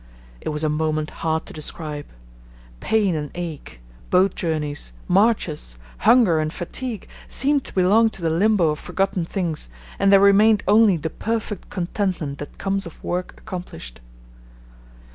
It was a moment hard to describe. Pain and ache, boat journeys, marches, hunger and fatigue seemed to belong to the limbo of forgotten things, and there remained only the perfect contentment that comes of work accomplished.